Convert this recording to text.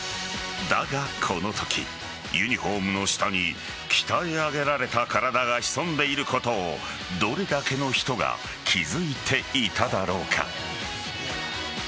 だが、このときユニホームの下に鍛え上げられた体が潜んでいることをどれだけの人が気付いていただろうか。